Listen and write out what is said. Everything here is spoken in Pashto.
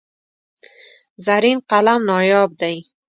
زرین قلم نایاب دی.